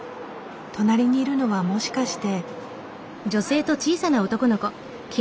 隣にいるのはもしかして。